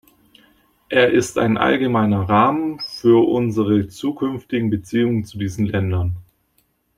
Er ist ein allgemeiner Rahmen für unsere zukünftigen Beziehungen zu diesen Ländern.